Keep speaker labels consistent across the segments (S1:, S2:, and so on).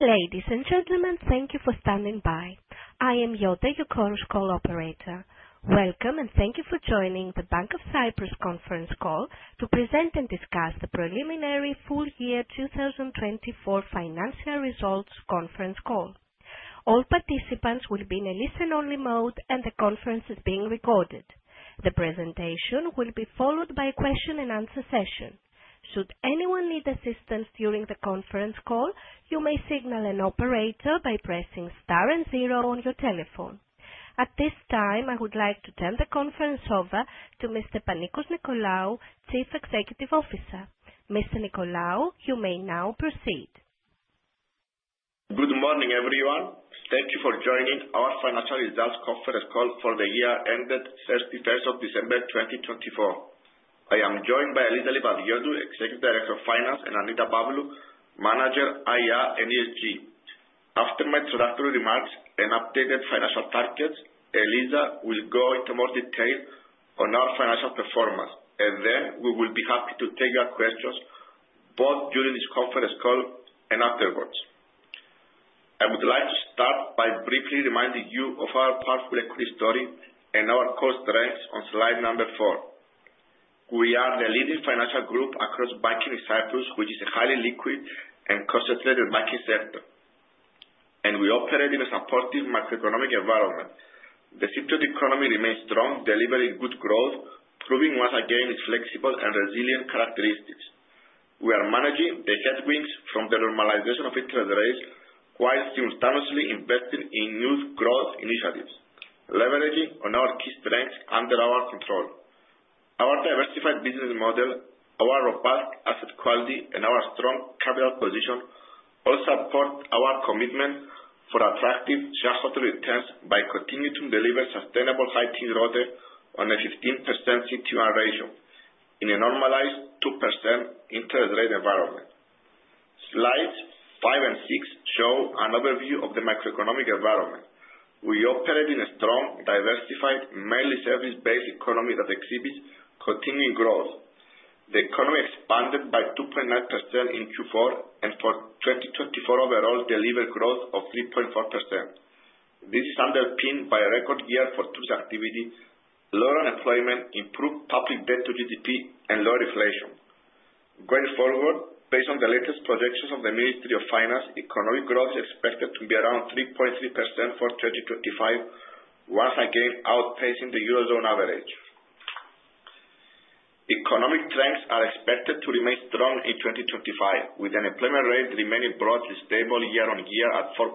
S1: Ladies and gentlemen, thank you for standing by. I am Yota, your conference call operator. Welcome and thank you for joining the Bank of Cyprus conference call to present and discuss the preliminary full year 2024 financial results conference call. All participants will be in a listen-only mode, and the conference is being recorded. The presentation will be followed by a question-and-answer session. Should anyone need assistance during the conference call, you may signal an operator by pressing star and zero on your telephone. At this time, I would like to turn the conference over to Mr. Panicos Nicolaou, Chief Executive Officer. Mr. Nicolaou, you may now proceed.
S2: Good morning, everyone. Thank you for joining our financial results conference call for the year ended 31st of December 2024. I am joined by Eliza Livadiotou, Executive Director of Finance, and Annita Pavlou, Manager IR and ESG. After my introductory remarks and updated financial targets, Eliza will go into more detail on our financial performance, and then we will be happy to take your questions both during this conference call and afterwards. I would like to start by briefly reminding you of our powerful equity story and our core strengths on slide number four. We are the leading financial group across banking in Cyprus, which is a highly liquid and concentrated banking sector, and we operate in a supportive macroeconomic environment. The Cyprus economy remains strong, delivering good growth, proving once again its flexible and resilient characteristics. We are managing the headwinds from the normalization of interest rates while simultaneously investing in new growth initiatives, leveraging our key strengths under our control. Our diversified business model, our robust asset quality, and our strong capital position all support our commitment for attractive shareholder returns by continuing to deliver sustainable high teens ROTE on a 15% CET1 ratio in a normalized 2% interest rate environment. Slides five and six show an overview of the macroeconomic environment. We operate in a strong, diversified, mainly service-based economy that exhibits continuing growth. The economy expanded by 2.9% in Q4 and for 2024 overall delivered growth of 3.4%. This is underpinned by a record year for tourist activity, lower unemployment, improved public debt to GDP, and lower inflation. Going forward, based on the latest projections of the Ministry of Finance, economic growth is expected to be around 3.3% for 2025, once again outpacing the Eurozone average. Economic trends are expected to remain strong in 2025, with unemployment rates remaining broadly stable year on year at 4.8%,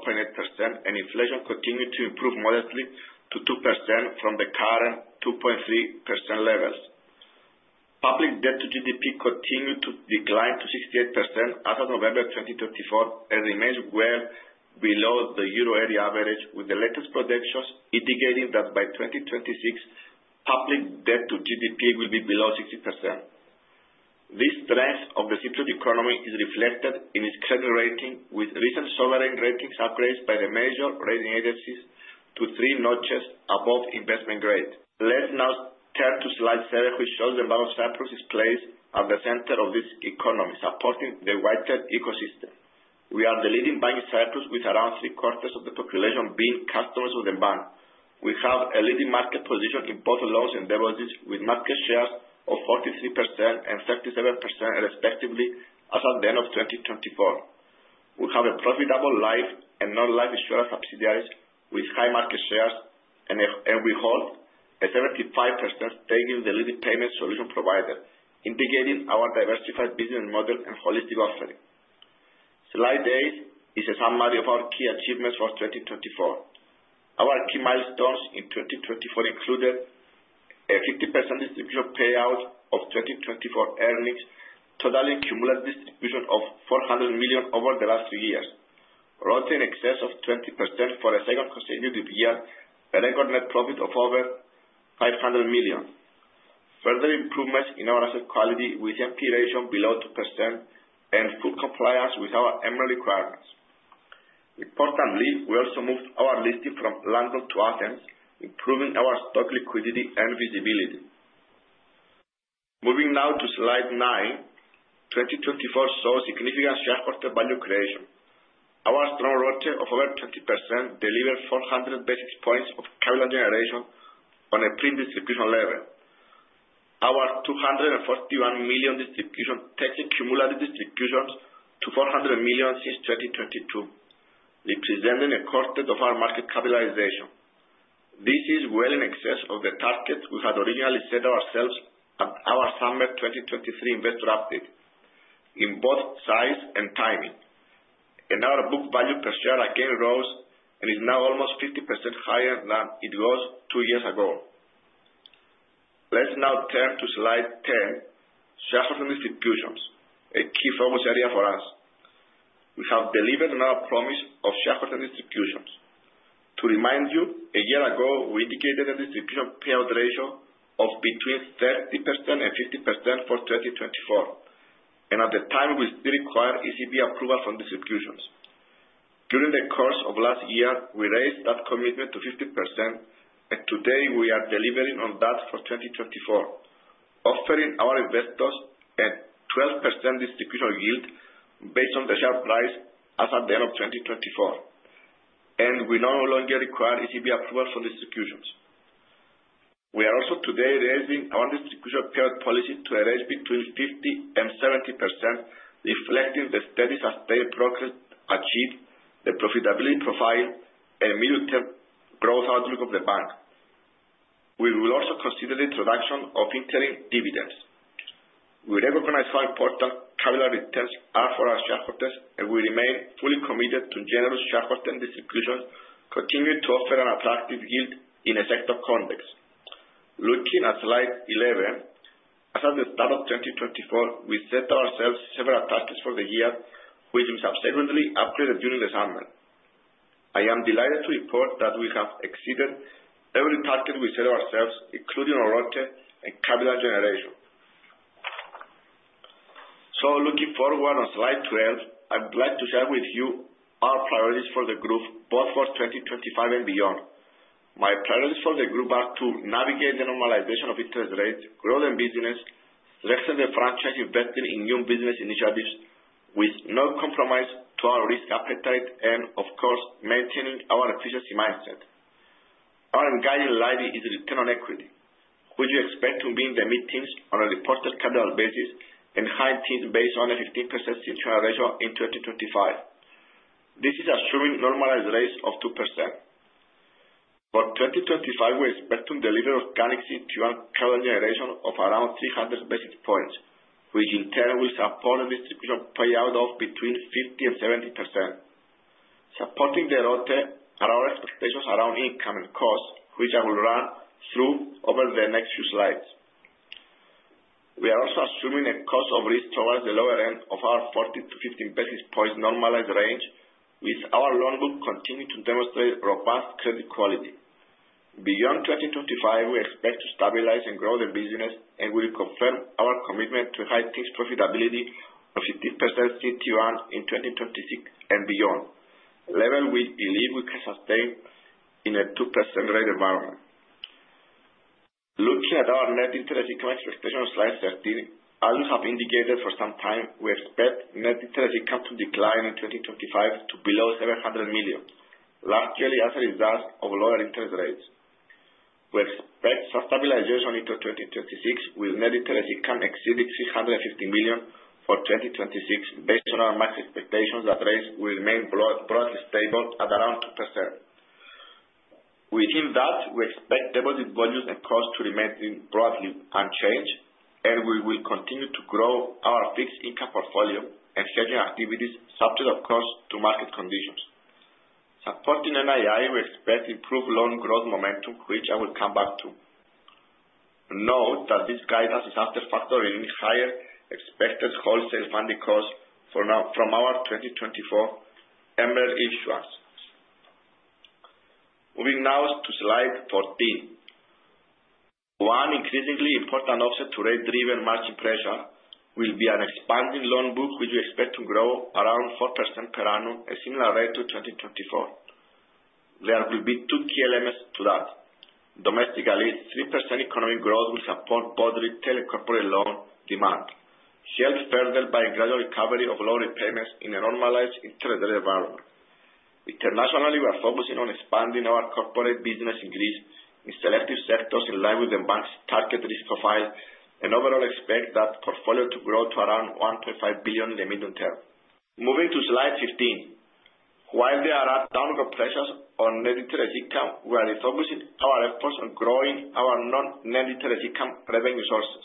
S2: and inflation continuing to improve modestly to 2% from the current 2.3% levels. Public debt to GDP continued to decline to 68% as of November 2024 and remains well below the euro area average, with the latest projections indicating that by 2026, public debt to GDP will be below 60%. This strength of the Cyprus economy is reflected in its credit rating, with recent sovereign rating upgrades by the major rating agencies to three notches above investment grade. Let's now turn to slide seven, which shows the Bank of Cyprus is placed at the center of this economy, supporting the wider ecosystem. We are the leading bank in Cyprus, with around three quarters of the population being customers of the bank. We have a leading market position in both loans and deposits, with market shares of 43% and 37% respectively as of the end of 2024. We have a profitable life and non-life insurance subsidiaries with high market shares, and we hold a 75% stake in the leading payment solution provider, indicating our diversified business model and holistic offering. Slide eight is a summary of our key achievements for 2024. Our key milestones in 2024 included a 50% distribution payout of 2024 earnings, totaling cumulative distribution of 400 million over the last three years, roughly in excess of 20% for a second consecutive year, a record net profit of over 500 million. Further improvements in our asset quality, with NPE ratio below 2% and full compliance with our MREL requirements. Importantly, we also moved our listing from London to Athens, improving our stock liquidity and visibility. Moving now to slide nine, 2024 saw significant shareholder value creation. Our strong ROTE of over 20% delivered 400 basis points of capital generation on a predistribution level. Our EUR 241 million distribution takes a cumulative distribution to 400 million since 2022, representing a quarter of our market capitalization. This is well in excess of the targets we had originally set ourselves at our summer 2023 investor update in both size and timing. And our book value per share again rose and is now almost 50% higher than it was two years ago. Let's now turn to slide ten, shareholder distributions, a key focus area for us. We have delivered on our promise of shareholder distributions. To remind you, a year ago, we indicated a distribution payout ratio of between 30% and 50% for 2024, and at the time, we still required ECB approval for distributions. During the course of last year, we raised that commitment to 50%, and today we are delivering on that for 2024, offering our investors a 12% distribution yield based on the share price as of the end of 2024, and we no longer require ECB approval for distributions. We are also today raising our distribution payout policy to a range between 50% and 70%, reflecting the steady sustained progress achieved, the profitability profile, and medium-term growth outlook of the bank. We will also consider the introduction of interim dividends. We recognize how important capital returns are for our shareholders, and we remain fully committed to generous shareholder distributions, continuing to offer an attractive yield in a sector context. Looking at slide 11, as of the start of 2024, we set ourselves several targets for the year, which we subsequently upgraded during the summer. I am delighted to report that we have exceeded every target we set ourselves, including our ROTE and capital generation. Looking forward on slide 12, I would like to share with you our priorities for the group, both for 2025 and beyond. My priorities for the group are to navigate the normalization of interest rates, grow the business, strengthen the franchise investing in new business initiatives with no compromise to our risk appetite, and, of course, maintaining our efficiency mindset. Our guiding light is return on equity, which we expect to be in the mid-teens on a reported capital basis and high teens based on a 15% CET1 ratio in 2025. This is assuming normalized rates of 2%. For 2025, we expect to deliver organic CET1 capital generation of around 300 basis points, which in turn will support a distribution payout of between 50% and 70%. Supporting the ROTE are our expectations around income and costs, which I will run through over the next few slides. We are also assuming a cost of risk towards the lower end of our 40 to 50 basis points normalized range, with our loan book continuing to demonstrate robust credit quality. Beyond 2025, we expect to stabilize and grow the business, and we will confirm our commitment to high-teens profitability of 15% CET1 in 2026 and beyond, a level we believe we can sustain in a 2% rate environment. Looking at our net interest income expectation on slide 13, as we have indicated for some time, we expect net interest income to decline in 2025 to below 700 million, largely as a result of lower interest rates. We expect some stabilization into 2026, with net interest income exceeding 350 million for 2026, based on our market expectations that rates will remain broadly stable at around 2%. Within that, we expect deposit volumes and costs to remain broadly unchanged, and we will continue to grow our fixed income portfolio and securities activities subject, of course, to market conditions. Supporting NII, we expect improved loan growth momentum, which I will come back to. Note that this guidance is after factoring in higher expected wholesale funding costs from our 2024 MREL issuance. Moving now to slide 14. One increasingly important offset to rate-driven market pressure will be an expanding loan book, which we expect to grow around 4% per annum, a similar rate to 2024. There will be two key elements to that. Domestically, 3% economic growth will support broad retail and corporate loan demand, shelved further by a gradual recovery of loan repayments in a normalized interest rate environment. Internationally, we are focusing on expanding our corporate business in Greece in selective sectors in line with the bank's target risk profile and overall expect that portfolio to grow to around 1.5 billion in the medium term. Moving to slide 15. While there are downward pressures on net interest income, we are refocusing our efforts on growing our non-interest income revenue sources.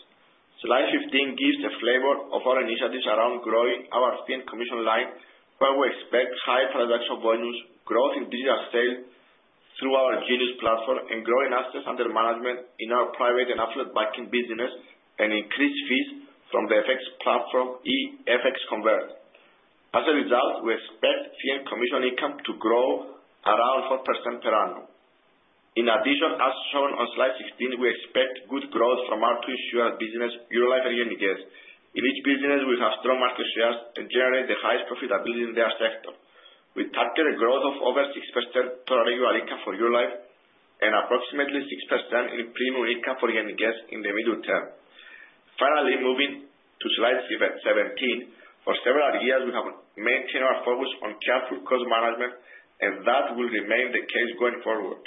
S2: Slide 15 gives a flavor of our initiatives around growing our fee and commission line, where we expect high transaction volumes, growth in digital sales through our Jinius platform, and growing assets under management in our private and affiliate banking business, and increased fees from the FX platform eFX Convert. As a result, we expect fee and commission income to grow around 4% per annum. In addition, as shown on slide 16, we expect good growth from our two insurance businesses, Eurolife and Genikes. In each business, we have strong market shares and generate the highest profitability in their sector. We target a growth of over 6% total regular income for Eurolife and approximately 6% in premium income for Genikes in the medium term. Finally, moving to slide 17, for several years, we have maintained our focus on careful cost management, and that will remain the case going forward.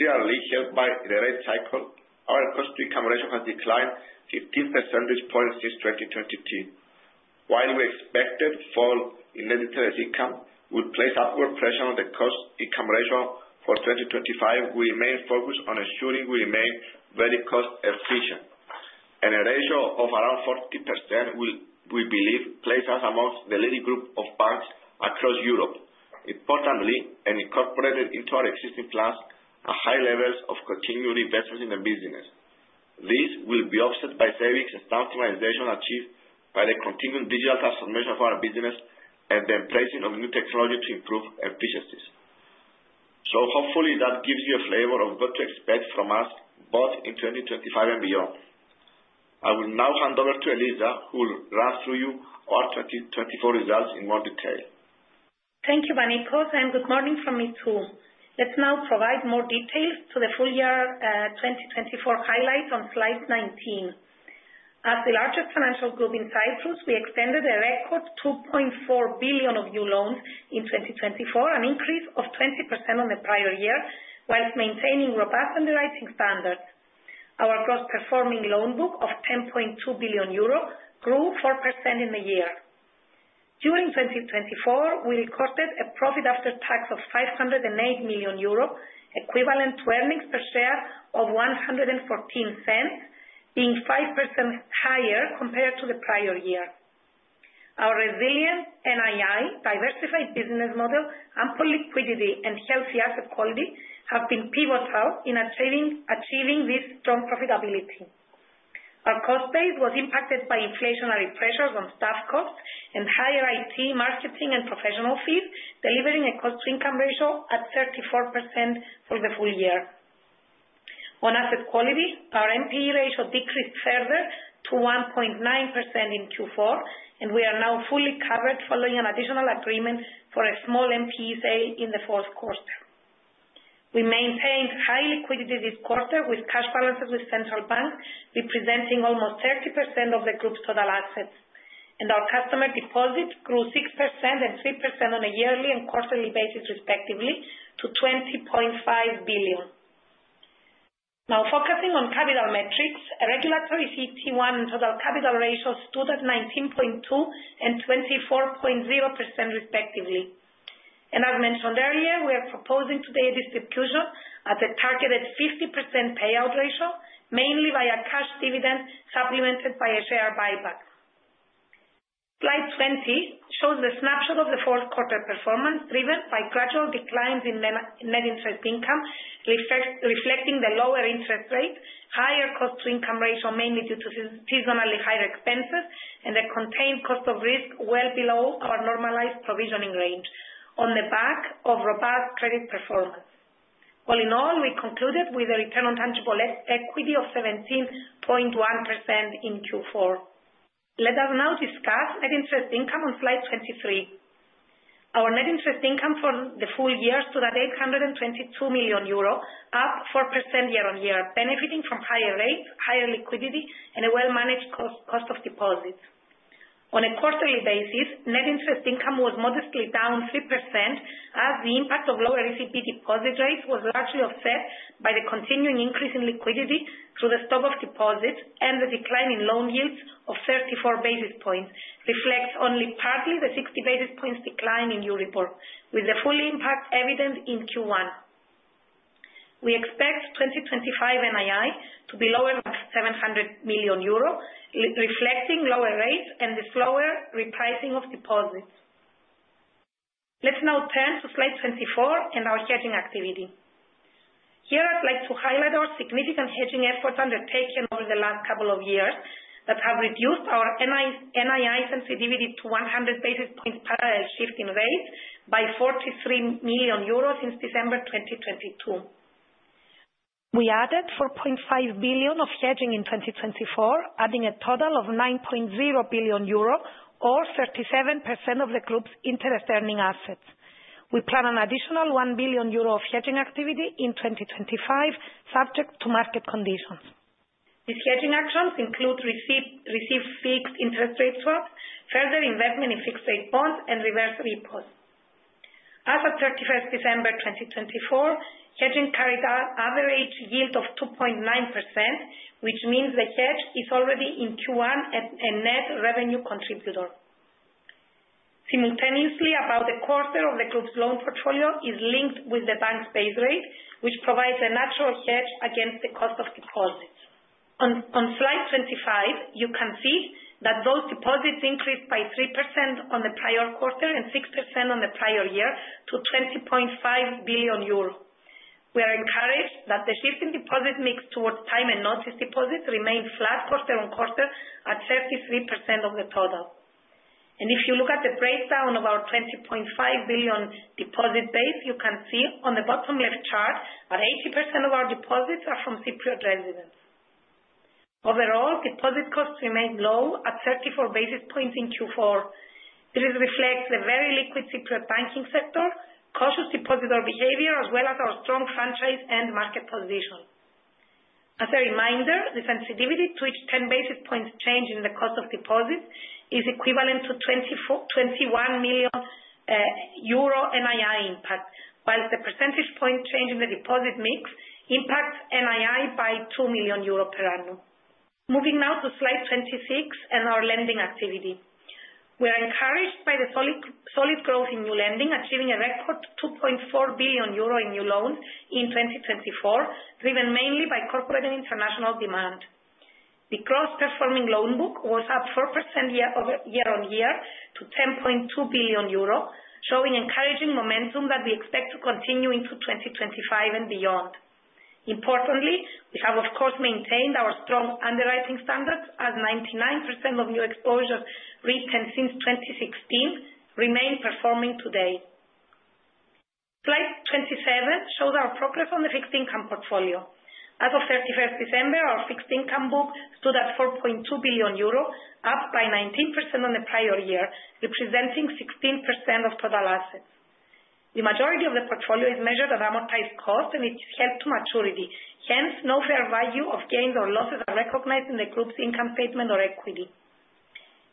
S2: Clearly, helped by the rate cycle, our cost-to-income ratio has declined 15 percentage points since 2022. While we expected fall in net interest income, we will place upward pressure on the cost-to-income ratio for 2025. We remain focused on ensuring we remain very cost-efficient, and a ratio of around 40%, we believe, places us amongst the leading group of banks across Europe. Importantly, and incorporated into our existing plans, are high levels of continued investments in the business. This will be offset by savings and staff optimization achieved by the continued digital transformation of our business and the embracing of new technology to improve efficiencies, so hopefully that gives you a flavor of what to expect from us both in 2025 and beyond. I will now hand over to Eliza, who will run through you our 2024 results in more detail.
S3: Thank you, Panicos. Good morning from me too. Let's now provide more details to the full year 2024 highlights on slide 19. As the largest financial group in Cyprus, we extended a record 2.4 billion of new loans in 2024, an increase of 20% on the prior year, while maintaining robust underwriting standards. Our gross performing loan book of 10.2 billion euro grew 4% in the year. During 2024, we recorded a profit after tax of 508 million euro, equivalent to earnings per share of 114 cents, being 5% higher compared to the prior year. Our resilient NII, diversified business model, ample liquidity, and healthy asset quality have been pivotal in achieving this strong profitability. Our cost base was impacted by inflationary pressures on staff costs and higher IT, marketing, and professional fees, delivering a cost-to-income ratio at 34% for the full year. On asset quality, our NPE ratio decreased further to 1.9% in Q4, and we are now fully covered following an additional agreement for a small NPE sale in the fourth quarter. We maintained high liquidity this quarter with cash balances with central banks, representing almost 30% of the group's total assets. Our customer deposit grew 6% and 3% on a yearly and quarterly basis, respectively, to 20.5 billion. Now, focusing on capital metrics, a regulatory CET1 and total capital ratio stood at 19.2% and 24.0%, respectively. As mentioned earlier, we are proposing today a distribution at a targeted 50% payout ratio, mainly via cash dividend supplemented by a share buyback. Slide 20 shows the snapshot of the fourth quarter performance, driven by gradual declines in net interest income, reflecting the lower interest rate, higher cost-to-income ratio, mainly due to seasonally higher expenses, and a contained cost of risk well below our normalized provisioning range, on the back of robust credit performance. All in all, we concluded with a return on tangible equity of 17.1% in Q4. Let us now discuss net interest income on slide 23. Our net interest income for the full year stood at 822 million euro, up 4% year on year, benefiting from higher rates, higher liquidity, and a well-managed cost of deposits. On a quarterly basis, net interest income was modestly down 3%, as the impact of lower ECB deposit rates was largely offset by the continuing increase in liquidity through the stock of deposits and the decline in loan yields of 34 basis points, reflects only partly the 60 basis points decline in Euribor, with the full impact evident in Q1. We expect 2025 NII to be lower than 700 million euro, reflecting lower rates and the slower repricing of deposits. Let's now turn to slide 24 and our hedging activity. Here, I'd like to highlight our significant hedging efforts undertaken over the last couple of years that have reduced our NII sensitivity to 100 basis points parallel shifting rates by 43 million euros since December 2022. We added 4.5 billion of hedging in 2024, adding a total of 9.0 billion euro, or 37% of the group's interest-earning assets. We plan an additional 1 billion euro of hedging activity in 2025, subject to market conditions. These hedging actions include received fixed interest rate swaps, further investment in fixed-rate bonds, and reverse repos. As of 31st December 2024, hedging carried out an average yield of 2.9%, which means the hedge is already in Q1 a net revenue contributor. Simultaneously, about a quarter of the group's loan portfolio is linked with the bank's base rate, which provides a natural hedge against the cost of deposits. On slide 25, you can see that those deposits increased by 3% on the prior quarter and 6% on the prior year to 20.5 billion euro. We are encouraged that the shifting deposit mix towards time and notice deposits remains flat quarter on quarter at 33% of the total. If you look at the breakdown of our 20.5 billion deposit base, you can see on the bottom left chart that 80% of our deposits are from Cypriot residents. Overall, deposit costs remain low at 34 basis points in Q4. This reflects the very liquid Cypriot banking sector, cautious depositor behavior, as well as our strong franchise and market position. As a reminder, the sensitivity to each 10 basis points change in the cost of deposits is equivalent to 21 million euro NII impact, while the percentage point change in the deposit mix impacts NII by 2 million euros per annum. Moving now to slide 26 and our lending activity. We are encouraged by the solid growth in new lending, achieving a record 2.4 billion euro in new loans in 2024, driven mainly by corporate and international demand. The gross performing loan book was up 4% year on year to 10.2 billion euro, showing encouraging momentum that we expect to continue into 2025 and beyond. Importantly, we have, of course, maintained our strong underwriting standards, as 99% of new exposures retained since 2016 remain performing today. Slide 27 shows our progress on the fixed income portfolio. As of 31st December, our fixed income book stood at 4.2 billion euro, up by 19% on the prior year, representing 16% of total assets. The majority of the portfolio is measured at amortized cost, and it is held to maturity. Hence, no fair value of gains or losses are recognized in the group's income statement or equity.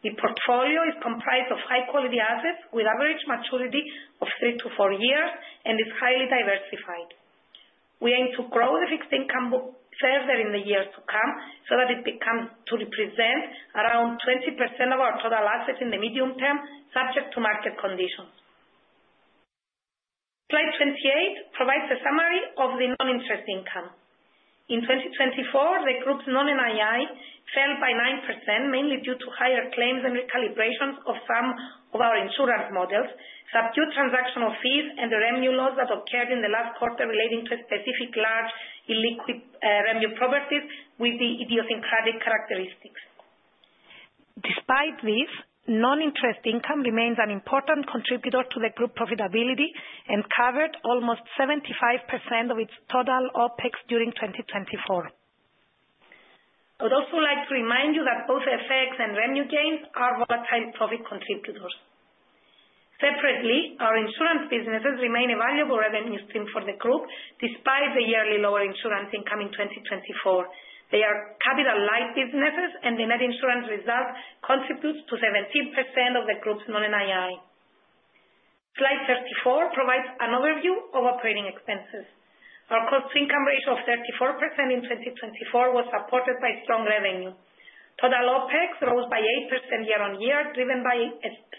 S3: The portfolio is comprised of high-quality assets with average maturity of three to four years and is highly diversified. We aim to grow the fixed income book further in the years to come so that it becomes to represent around 20% of our total assets in the medium term, subject to market conditions. Slide 28 provides a summary of the non-interest income. In 2024, the group's non-NII fell by 9%, mainly due to higher claims and recalibrations of some of our insurance models, subdued transactional fees, and the REMU loss that occurred in the last quarter relating to specific large illiquid REMU properties with idiosyncratic characteristics. Despite this, non-interest income remains an important contributor to the group profitability and covered almost 75% of its total OpEx during 2024. I would also like to remind you that both FX and REMU gains are volatile profit contributors. Separately, our insurance businesses remain a valuable revenue stream for the group despite the yearly lower insurance income in 2024. They are capital-like businesses, and the net insurance result contributes to 17% of the group's non-NII. Slide 34 provides an overview of operating expenses. Our cost-to-income ratio of 34% in 2024 was supported by strong revenue. Total OpEx rose by 8% year-on-year, driven by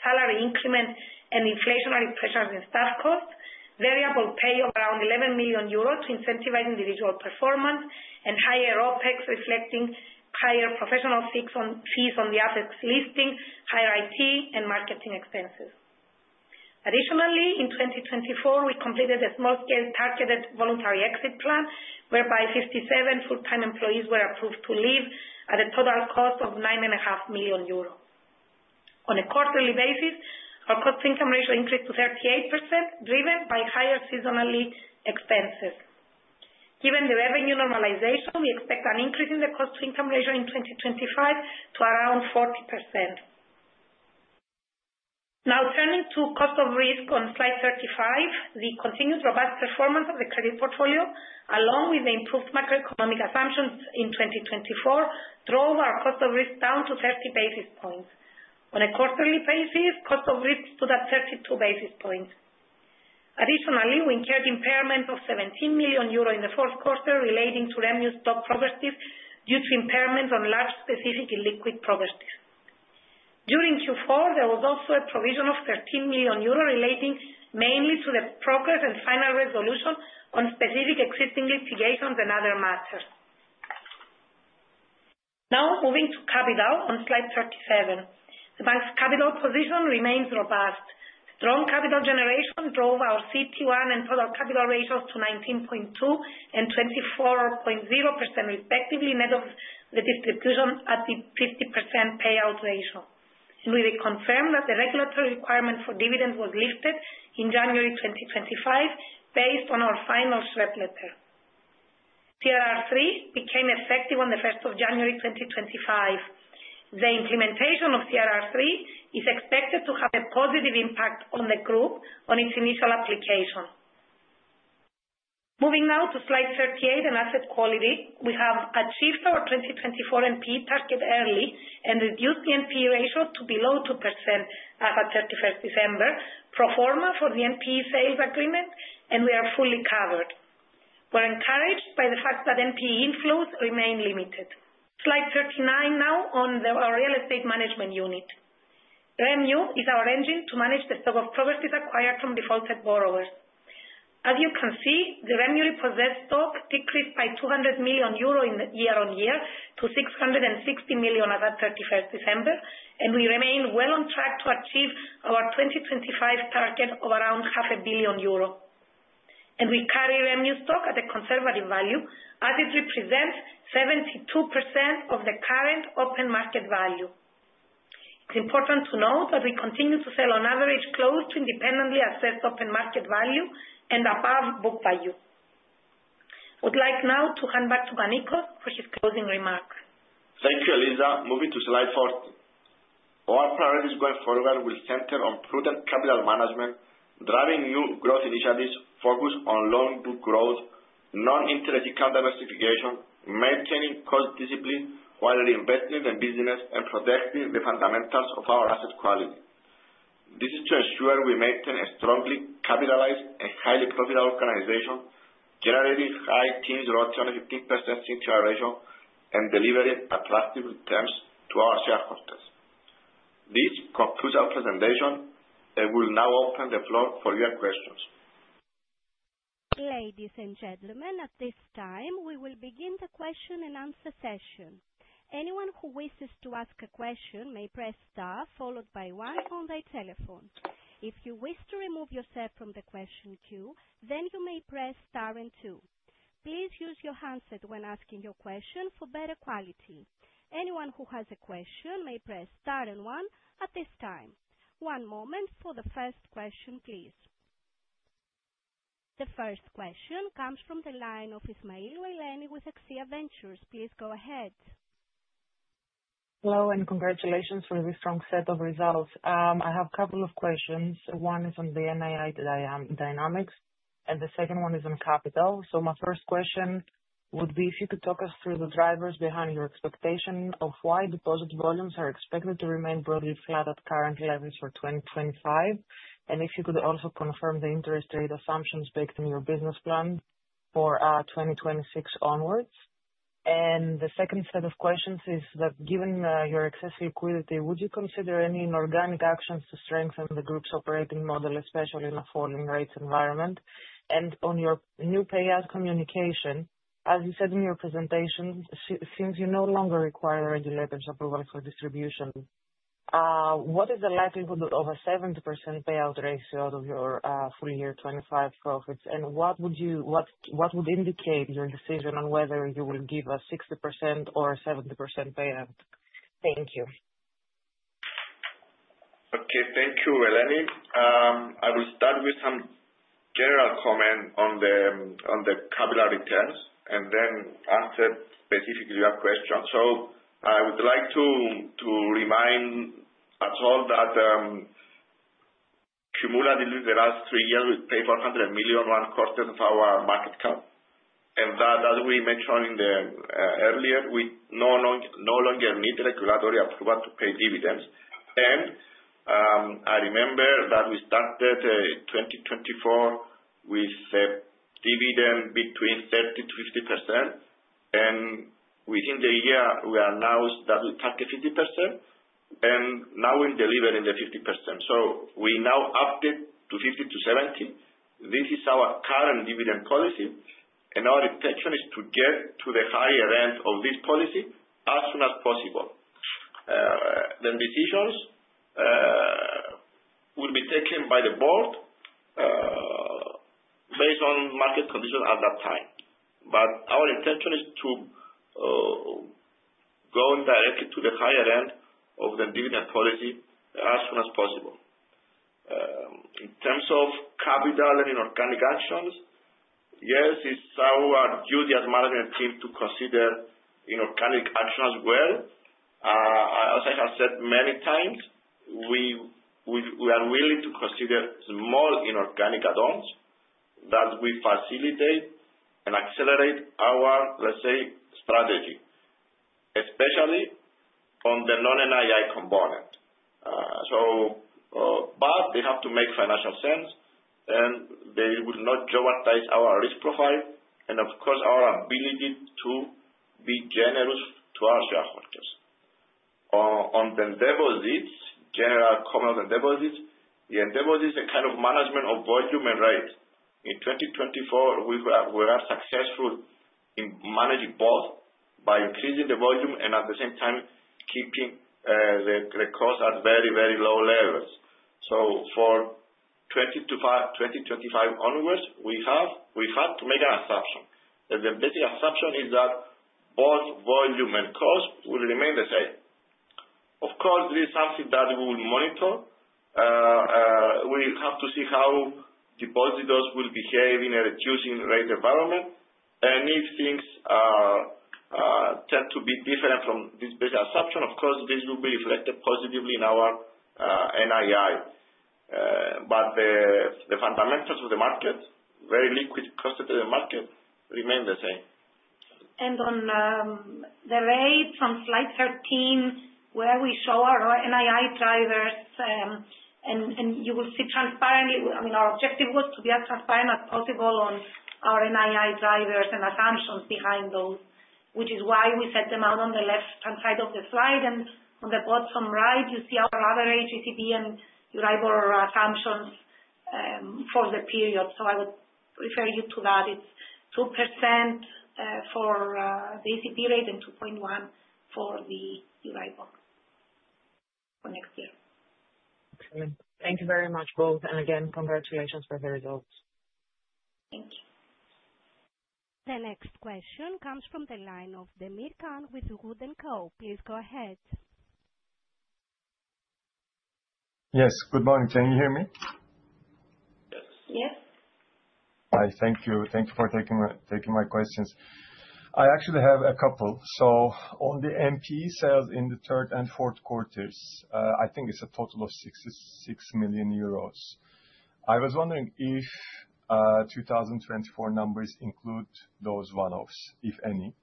S3: salary increments and inflationary pressures in staff costs, variable pay of around 11 million euros to incentivize individual performance, and higher OpEx reflecting higher professional fees on the Athens listing, higher IT and marketing expenses. Additionally, in 2024, we completed a small-scale targeted voluntary exit plan whereby 57 full-time employees were approved to leave at a total cost of 9.5 million euro. On a quarterly basis, our cost-to-income ratio increased to 38%, driven by higher seasonal expenses. Given the revenue normalization, we expect an increase in the cost-to-income ratio in 2025 to around 40%. Now, turning to cost of risk on slide 35, the continued robust performance of the credit portfolio, along with the improved macroeconomic assumptions in 2024, drove our cost of risk down to 30 basis points. On a quarterly basis, cost of risk stood at 32 basis points. Additionally, we incurred impairment of 17 million euro in the fourth quarter relating to REMU stock properties due to impairments on large specific illiquid properties. During Q4, there was also a provision of 13 million euro relating mainly to the progress and final resolution on specific existing litigations and other matters. Now, moving to capital on slide 37. The bank's capital position remains robust. Strong capital generation drove our CET1 and total capital ratios to 19.2% and 24.0%, respectively, net of the distribution at the 50% payout ratio. We reconfirmed that the regulatory requirement for dividends was lifted in January 2025 based on our final SREP letter. CRR III became effective on the 1st of January 2025. The implementation of CRR III is expected to have a positive impact on the group on its initial application. Moving now to slide 38 and asset quality, we have achieved our 2024 NPE target early and reduced the NPE ratio to below 2% as of 31st December, pro forma for the NPE sales agreement, and we are fully covered. We're encouraged by the fact that NPE inflows remain limited. Slide 39 now on our Real Estate Management Unit. REMU is our engine to manage the stock of properties acquired from defaulted borrowers. As you can see, the REMU repossessed stock decreased by 200 million euro year-on-year to 660 million as of 31st December, and we remain well on track to achieve our 2025 target of around 500 million euro. We carry REMU stock at a conservative value as it represents 72% of the current open market value. It's important to note that we continue to sell on average close to independently assessed open market value and above book value. I would like now to hand back to Panicos for his closing remarks.
S2: Thank you, Eliza. Moving to slide 40. Our priorities going forward will center on prudent capital management, driving new growth initiatives focused on loan book growth, non-interest income diversification, maintaining cost discipline while reinvesting in the business, and protecting the fundamentals of our asset quality. This is to ensure we maintain a strongly capitalized and highly profitable organization, generating high-teens ROTE on a 15% CET1 ratio and delivering attractive returns to our shareholders. This concludes our presentation. I will now open the floor for your questions.
S1: Ladies and gentlemen, at this time, we will begin the question and answer session. Anyone who wishes to ask a question may press star followed by one on their telephone. If you wish to remove yourself from the question queue, then you may press star and two. Please use your handset when asking your question for better quality. Anyone who has a question may press star and one at this time. One moment for the first question, please. The first question comes from the line of Eleni Ismailou with Axia Ventures Group. Please go ahead.
S4: Hello and congratulations for this strong set of results.I have a couple of questions. One is on the NII dynamics, and the second one is on capital, so my first question would be if you could talk us through the drivers behind your expectation of why deposit volumes are expected to remain broadly flat at current levels for 2025, and if you could also confirm the interest rate assumptions baked in your business plan for 2026 onwards, and the second set of questions is that given your excess liquidity, would you consider any inorganic actions to strengthen the group's operating model, especially in a falling rates environment? On your new payout communication, as you said in your presentation, since you no longer require regulator's approval for distribution, what is the likelihood of a 70% payout ratio out of your full year 25 profits, and what would indicate your decision on whether you will give a 60% or a 70% payout? Thank you.
S2: Okay, thank you, Eleni. I will start with some general comment on the capital returns and then answer specifically your question. I would like to remind at all that cumulatively, the last three years, we paid 400 million one quarter of our market cap, and that as we mentioned earlier, we no longer need regulatory approval to pay dividends. I remember that we started in 2024 with a dividend between 30%-50%, and within the year, we announced that we target 50%, and now we're delivering the 50%. We now update to 50%-70%. This is our current dividend policy, and our intention is to get to the higher end of this policy as soon as possible. The decisions will be taken by the board based on market conditions at that time. Our intention is to go directly to the higher end of the dividend policy as soon as possible. In terms of capital and inorganic actions, yes, it is our duty as management team to consider inorganic actions well. As I have said many times, we are willing to consider small inorganic add-ons that will facilitate and accelerate our, let's say, strategy, especially on the non-NII component. They have to make financial sense, and they will not jeopardize our risk profile and, of course, our ability to be generous to our shareholders. On the deposits, general comment on the deposits, the deposit is a kind of management of volume and rate. In 2024, we were successful in managing both by increasing the volume and at the same time keeping the cost at very, very low levels. So for 2025 onwards, we have to make an assumption. The basic assumption is that both volume and cost will remain the same. Of course, this is something that we will monitor. We have to see how depositors will behave in a reducing rate environment. And if things tend to be different from this basic assumption, of course, this will be reflected positively in our NII. But the fundamentals of the market, very liquid cost of the market, remain the same.
S3: And on the right from slide 13, where we show our NII drivers, and you will see transparently, I mean, our objective was to be as transparent as possible on our NII drivers and assumptions behind those, which is why we set them out on the left-hand side of the slide. And on the bottom right, you see our other ECB and Euribor assumptions for the period. So I would refer you to that. It's 2% for the ECB rate and 2.1% for the Euribor for next year.
S4: Excellent. Thank you very much both. And again, congratulations for the results.
S3: Thank you.
S1: The next question comes from the line of Can Demir with Wood & Co. Please go ahead.
S5: Yes. Good morning. Can you hear me?
S2: Yes.
S3: Yes.
S5: Hi. Thank you. Thank you for taking my questions. I actually have a couple. So on the NPE sales in the third and fourth quarters, I think it's a total of 66 million euros. I was wondering if 2024 numbers include those one-offs, if any.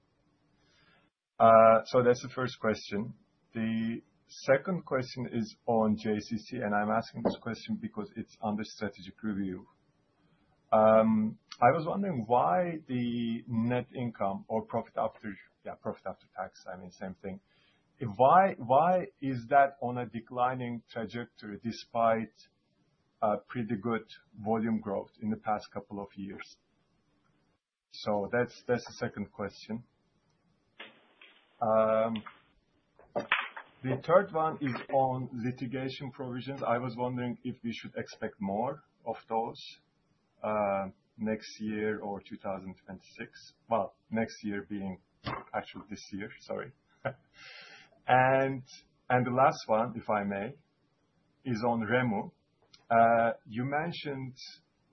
S5: So that's the first question. The second question is on JCC, and I'm asking this question because it's under strategic review. I was wondering why the net income or profit after, yeah, profit after tax, I mean, same thing. Why is that on a declining trajectory despite pretty good volume growth in the past couple of years? So that's the second question. The third one is on litigation provisions. I was wondering if we should expect more of those next year or 2026. Well, next year being actually this year, sorry. And the last one, if I may, is on REMU. You mentioned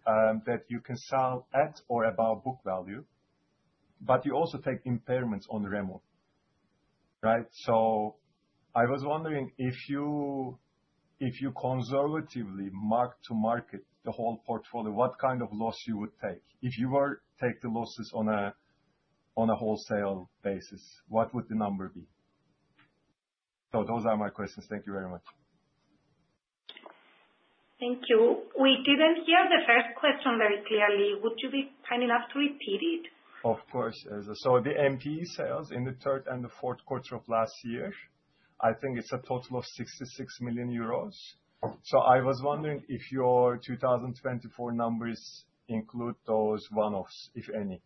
S5: that you can sell at or above book value, but you also take impairments on REMU, right? So I was wondering if you conservatively mark to market the whole portfolio, what kind of loss you would take. If you were to take the losses on a wholesale basis, what would the number be? So those are my questions. Thank you very much.
S3: Thank you. We didn't hear the first question very clearly. Would you be kind enough to repeat it?
S5: Of course, Eliza. So the NPE sales in the third and the fourth quarter of last year, I think it's a total of 66 million euros. So I was wondering if your 2024 numbers include those one-offs, if any.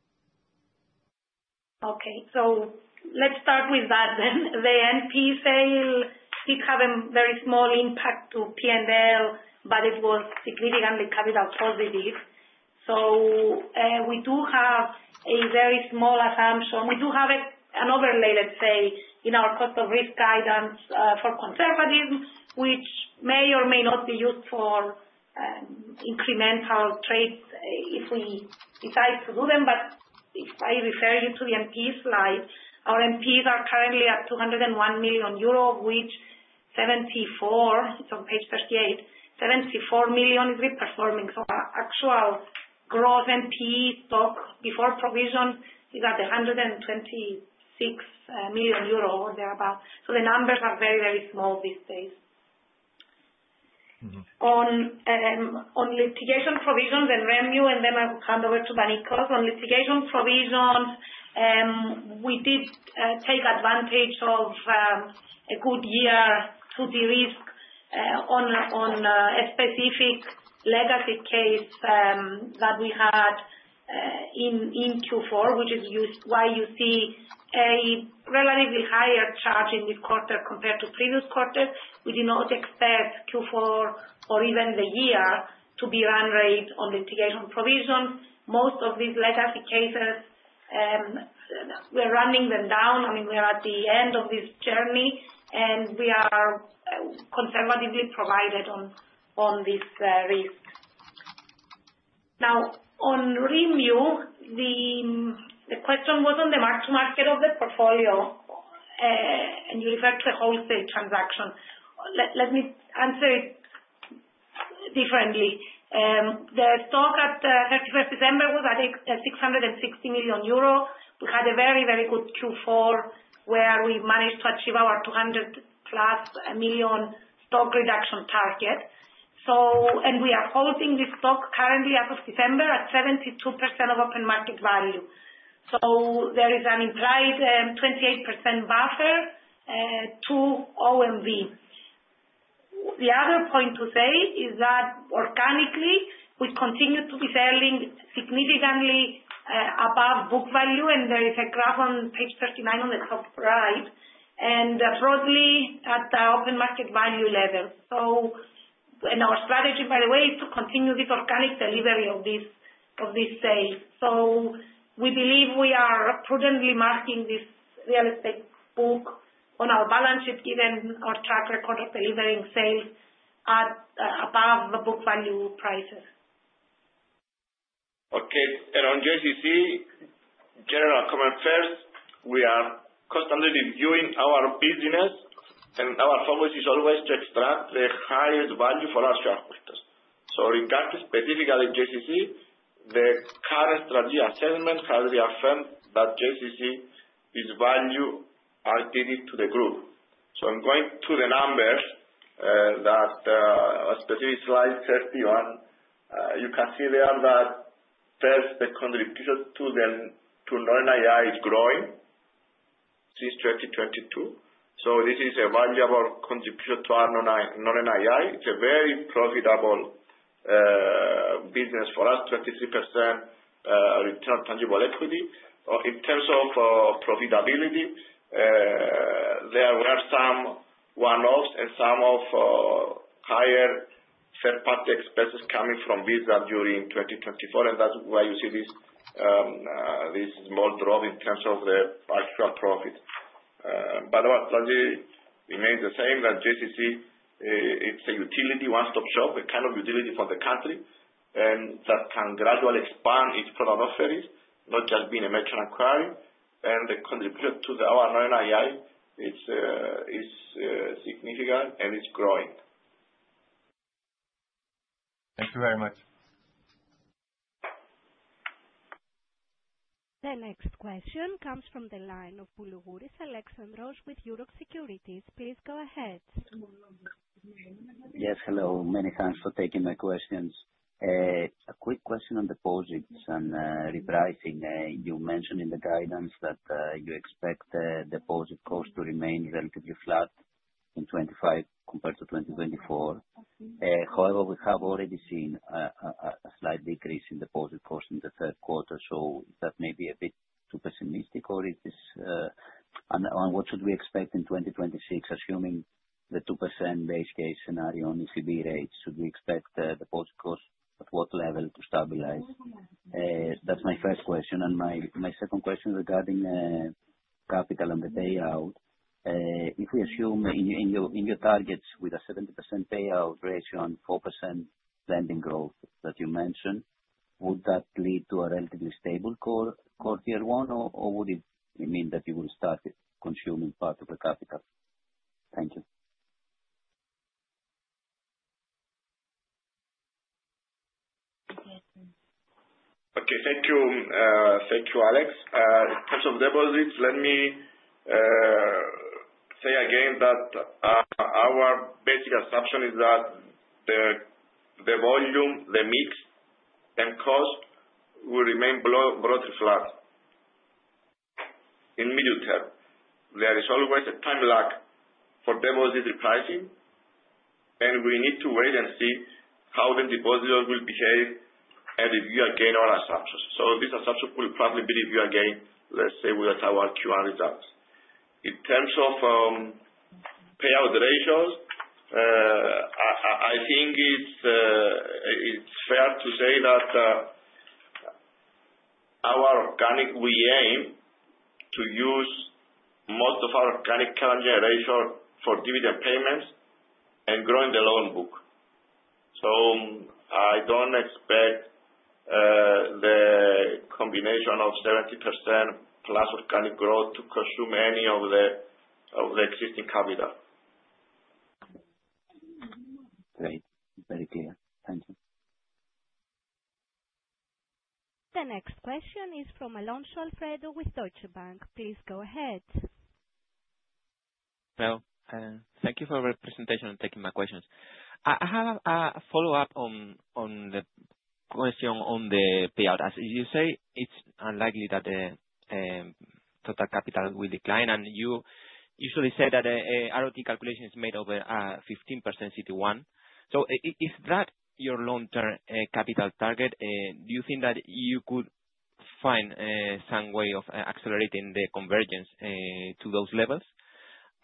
S3: Okay. So let's start with that then. The NPE sales did have a very small impact to P&L, but it was significantly capital positive. We do have a very small assumption. We do have an overlay, let's say, in our cost of risk guidance for conservatives, which may or may not be used for incremental trades if we decide to do them. But if I refer you to the NPE slide, our NPEs are currently at 201 million euro, which 74, it's on page 38, 74 million is reperforming. Actual gross NPE stock before provision is at 126 million euro or thereabout. The numbers are very, very small these days. On litigation provisions and REMU, and then I will hand over to Panicos. On litigation provisions, we did take advantage of a good year to de-risk on a specific legacy case that we had in Q4, which is why you see a relatively higher charge in this quarter compared to previous quarters. We did not expect Q4 or even the year to be run rate on litigation provisions. Most of these legacy cases, we're running them down. I mean, we're at the end of this journey, and we are conservatively provided on this risk. Now, on REMU, the question was on the mark to market of the portfolio, and you referred to a wholesale transaction. Let me answer it differently. The stock at 31st December was at 660 million euro. We had a very, very good Q4 where we managed to achieve our 200+ million stock reduction target. And we are holding this stock currently as of December at 72% of open market value. So there is an implied 28% buffer to OMV. The other point to say is that organically, we continue to be selling significantly above book value, and there is a graph on page 39 on the top right, and broadly at the open market value level. So our strategy, by the way, is to continue this organic delivery of these sales. So we believe we are prudently marking this real estate book on our balance sheet given our track record of delivering sales above the book value prices.
S2: Okay. And on JCC, general comment first. We are constantly reviewing our business, and our focus is always to extract the highest value for our shareholders. So regarding specifically JCC, the current strategy assessment has reaffirmed that JCC is value added to the group. So I'm going to the numbers that are on specific slide 31. You can see there that first, the contribution to non-NII is growing since 2022. So this is a valuable contribution to our non-NII. It's a very profitable business for us, 23% return on tangible equity. In terms of profitability, there were some one-offs and some of higher third-party expenses coming from Visa during 2024, and that's why you see this small drop in terms of the actual profit. But our strategy remains the same that JCC, it's a utility, one-stop shop, a kind of utility for the country, and that can gradually expand its product offerings, not just being a merchant acquiring. And the contribution to our non-NII is significant, and it's growing.
S5: Thank you very much.
S1: The next question comes from the line of Alexandros Boulougouris with Euroxx Securities. Please go ahead.
S6: Yes. Hello. Many thanks for taking my questions. A quick question on deposits and repricing. You mentioned in the guidance that you expect deposit costs to remain relatively flat in 2025 compared to 2024. However, we have already seen a slight decrease in deposit costs in the third quarter. So that may be a bit too pessimistic, or is this on what should we expect in 2026, assuming the 2% base case scenario on ECB rates? Should we expect deposit costs at what level to stabilize? That's my first question. And my second question regarding capital on the payout. If we assume in your targets with a 70% payout ratio and 4% lending growth that you mentioned, would that lead to a relatively stable quarter one? Or would it mean that you will start consuming part of the capital? Thank you.
S2: Okay. Thank you. Thank you, Alex. In terms of deposits, let me say again that our basic assumption is that the volume, the mix, and cost will remain broadly flat in medium term. There is always a time lag for deposit repricing, and we need to wait and see how the depositors will behave and review again our assumptions. So this assumption will probably be reviewed again, let's say, with our Q1 results. In terms of payout ratios, I think it's fair to say that our organic we aim to use most of our organic current generation for dividend payments and growing the loan book. So I don't expect the combination of 70% plus organic growth to consume any of the existing capital.
S6: Great. Very clear. Thank you.
S1: The next question is from Alfredo Alonso with Deutsche Bank. Please go ahead.
S7: Well, thank you for your presentation and taking my questions. I have a follow-up on the question on the payout. As you say, it's unlikely that the total capital will decline, and you usually say that the ROTE calculation is made over 15% CET1. So is that your long-term capital target? Do you think that you could find some way of accelerating the convergence to those levels?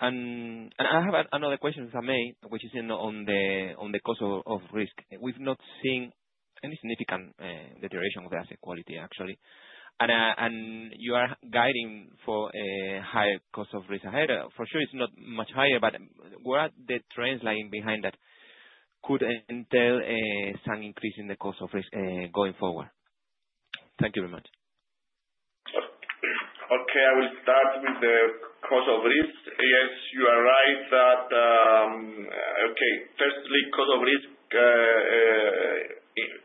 S7: And I have another question, if I may, which is on the cost of risk. We've not seen any significant deterioration of the asset quality, actually. And you are guiding for a higher cost of risk. For sure, it's not much higher, but what are the trends lying behind that could entail some increase in the cost of risk going forward? Thank you very much.
S2: Okay. I will start with the cost of risk. Yes, you are right. Okay. Firstly, cost of risk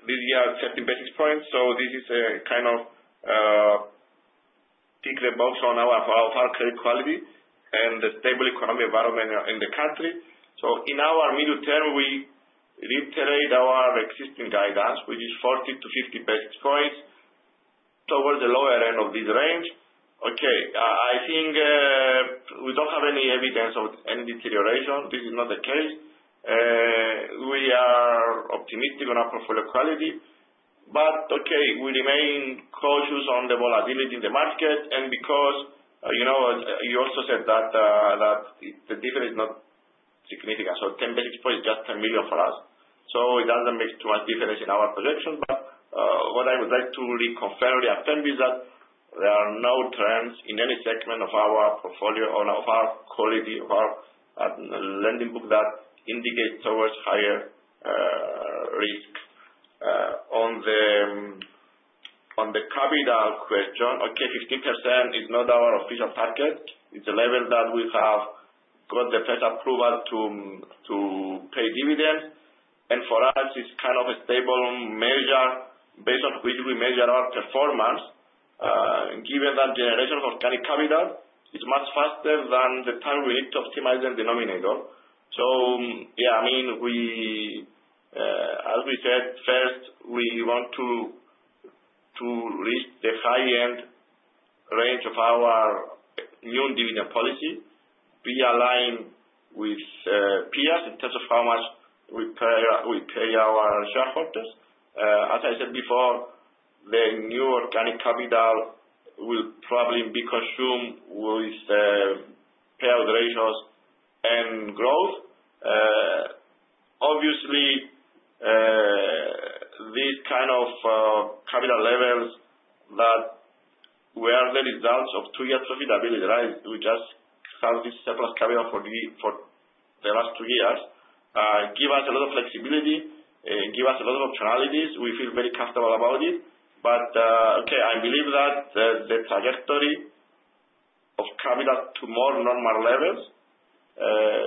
S2: this year, 13 basis points. So this is a kind of tick the box on our credit quality and the stable economic environment in the country. So in our medium term, we reiterate our existing guidance, which is 40-50 basis points towards the lower end of this range. Okay. I think we don't have any evidence of any deterioration. This is not the case. We are optimistic on our portfolio quality. But okay, we remain cautious on the volatility in the market. And because you also said that the difference is not significant. So 10 basis points is just 10 million for us. So it doesn't make too much difference in our projection. But what I would like to reconfirm or reaffirm is that there are no trends in any segment of our portfolio or of our quality, of our lending book that indicate towards higher risk. On the capital question, okay, 15% is not our official target. It's a level that we have got the Board's approval to pay dividends. And for us, it's kind of a stable measure based on which we measure our performance. Given that generation of organic capital, it's much faster than the time we need to optimize the denominator. So yeah, I mean, as we said, first, we want to reach the high-end range of our new dividend policy. We align with peers in terms of how much we pay our shareholders. As I said before, the new organic capital will probably be consumed with payout ratios and growth. Obviously, these kind of capital levels that were the results of two years of profitability, right? We just have this surplus capital for the last two years. Give us a lot of flexibility, give us a lot of optionalities. We feel very comfortable about it. But okay, I believe that the trajectory of capital to more normal levels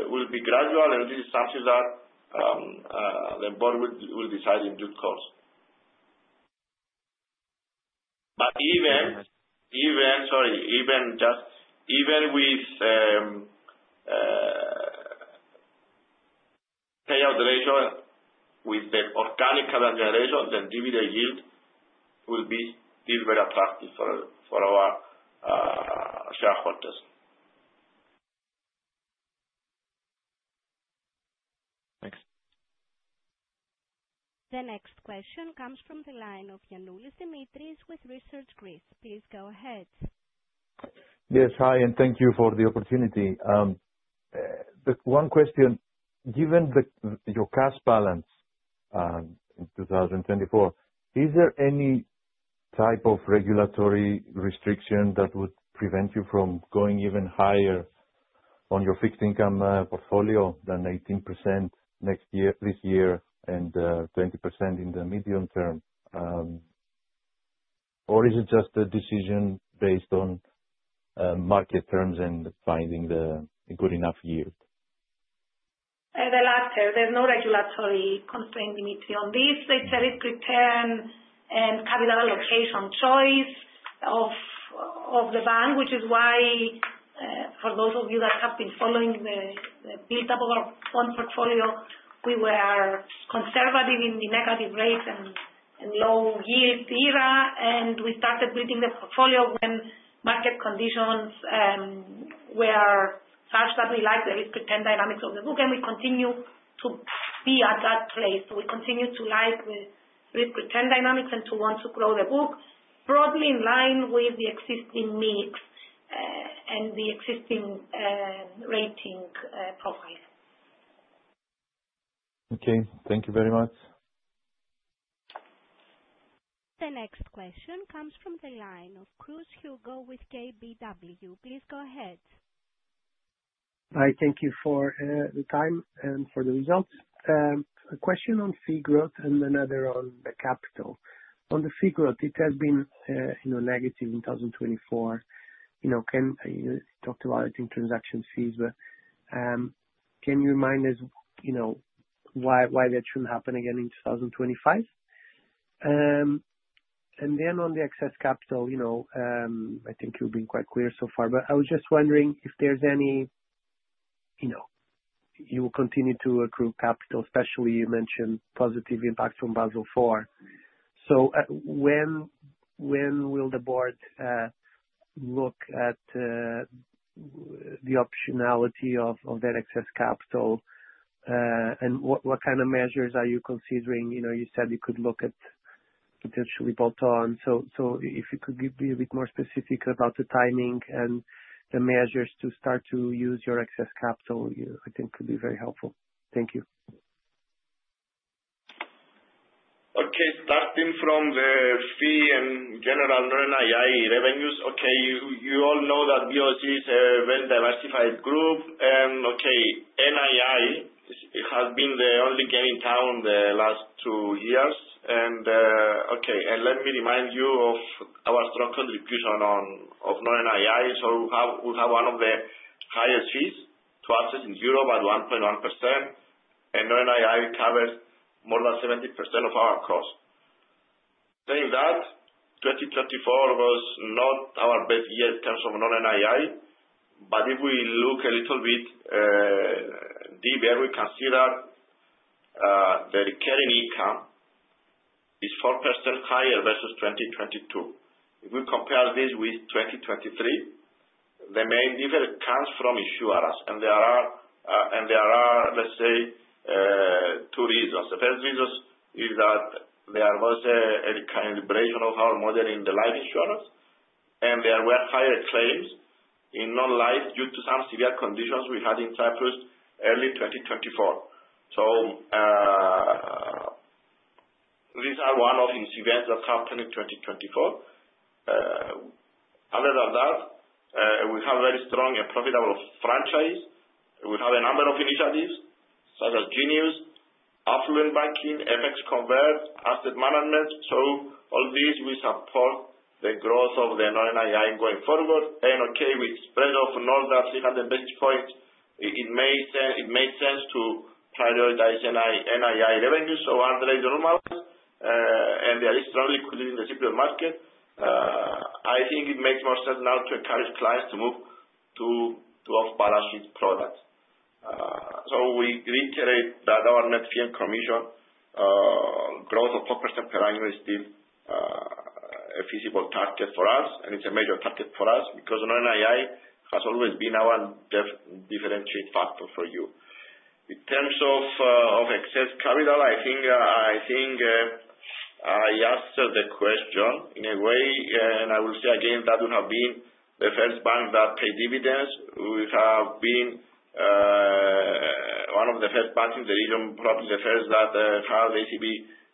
S2: will be gradual, and this is something that the board will decide in due course. But even, sorry, even with payout ratio with the organic capital generation, the dividend yield will be still very attractive for our shareholders.
S7: Thanks.
S1: The next question comes from the line of Dimitris Giannoulis with Research Greece. Please go ahead.
S8: Yes. Hi, and thank you for the opportunity. One question. Given your cash balance in 2024, is there any type of regulatory restriction that would prevent you from going even higher on your fixed income portfolio than 18% this year and 20% in the medium term? Or is it just a decision based on market terms and finding the good enough yield?
S3: The latter. There's no regulatory constraint, Dimitris. On this, it's a risk return and capital allocation choice of the bank, which is why, for those of you that have been following the build-up of our fund portfolio, we were conservative in the negative rates and low-yield era, and we started building the portfolio when market conditions were such that we liked the risk-return dynamics of the book, and we continue to be at that place. We continue to like the risk-return dynamics and to want to grow the book broadly in line with the existing mix and the existing rating profile.
S8: Okay. Thank you very much.
S1: The next question comes from the line of Hugo Cruz with KBW. Please go ahead.
S9: Hi. Thank you for the time and for the results. A question on fee growth and another on the capital. On the fee growth, it has been negative in 2024. You talked about it in transaction fees, but can you remind us why that shouldn't happen again in 2025? And then on the excess capital, I think you've been quite clear so far, but I was just wondering if there's any you will continue to accrue capital, especially you mentioned positive impact from Basel IV. So when will the board look at the optionality of that excess capital? And what kind of measures are you considering? You said you could look at potentially bolt-on. So if you could be a bit more specific about the timing and the measures to start to use your excess capital, I think could be very helpful. Thank you.
S2: Okay. Starting from the fee and general non-NII revenues, okay, you all know that BoC is a very diversified group. And okay, NII has been the only game in town the last two years. Okay, and let me remind you of our strong contribution of non-NII. We have one of the highest fees to assets in Europe at 1.1%, and non-NII covers more than 70% of our cost. Saying that, 2024 was not our best year in terms of non-NII, but if we look a little bit deeper, we can see that the recurring income is 4% higher versus 2022. If we compare this with 2023, the main difference comes from insurance, and there are, let's say, two reasons. The first reason is that there was a recalibration of our model in the life insurance, and there were higher claims in non-life due to some severe conditions we had in Cyprus early 2024. These are one of the events that happened in 2024. Other than that, we have very strong and profitable franchise. We have a number of initiatives such as Jinius, Affluent Banking, eFX Convert, Asset Management. So all these, we support the growth of the non-NII going forward, and okay, with a spread of around 300 basis points, it made sense to prioritize NII revenues. Under the new normal, interest rates are strongly influencing the repo market. I think it makes more sense now to encourage clients to move to off-balance sheet products. We reiterate that our net fee and commission growth of 4% per annum is still a feasible target for us, and it's a major target for us because non-NII has always been our differentiating factor for you. In terms of excess capital, I think I answered the question in a way, and I will say again that we have been the first bank that paid dividends. We have been one of the first banks in the region, probably the first that had the ECB